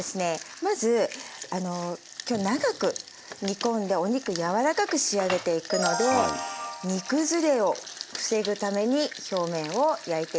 まず今日長く煮込んでお肉柔らかく仕上げていくので煮崩れを防ぐために表面を焼いていきます。